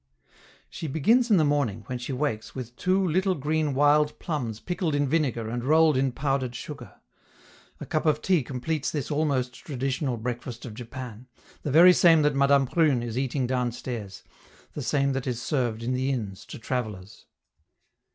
She begins in the morning, when she wakes, with two little green wild plums pickled in vinegar and rolled in powdered sugar. A cup of tea completes this almost traditional breakfast of Japan, the very same that Madame Prune is eating downstairs, the same that is served in the inns to travellers.